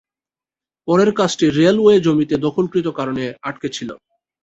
পরের কাজটি রেলওয়ের জমিতে দখলকৃত কারণে আটকে ছিল।